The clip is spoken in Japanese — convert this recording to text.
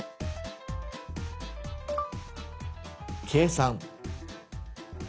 「計算」。